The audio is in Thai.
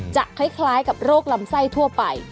จะคล้ายกับโรคลำไส้ทั่วไป